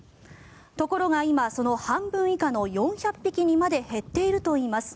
ところが今、その半分以下の４００匹にまで減っているといいます。